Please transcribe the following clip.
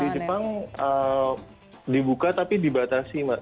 kalau di jepang dibuka tapi dibatasi mak